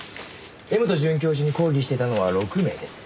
柄本准教授に抗議していたのは６名です。